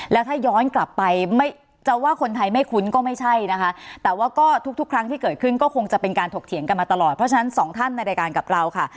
แล้วถ้าย้อนกลับไปจะว่าคนไทยไม่คุ้นก็ไม่ใช่นะคะแต่ว่าก็ทุกครั้งที่เกิดขึ้นก็คงจะเป็นการถกเถียงกันมาตลอดเพราะฉะนั้นสองท่านในรายการกับเราค่ะ